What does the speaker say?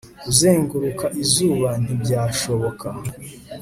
kuzenguruka izuba ntibyashoboka